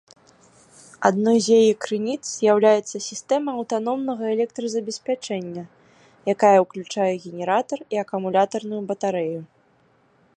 Адной з яе крыніц з'яўляецца сістэма аўтаномнага электразабеспячэння, якая ўключае генератар і акумулятарную батарэю.